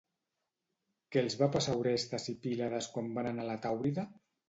Què els va passar a Orestes i Pílades quan van anar a la Tàurida?